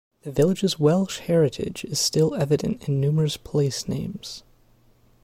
The village's Welsh heritage is still evident in numerous place names.